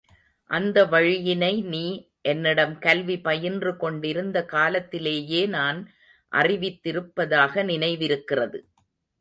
அந்த வழியினை, நீ என்னிடம் கல்வி பயின்று கொண்டிருந்த காலத்திலேயே நான் அறிவித்திருப்பதாக நினைவிருக்கிறது.